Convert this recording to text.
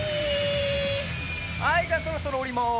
はいじゃあそろそろおります。